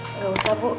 nggak usah bu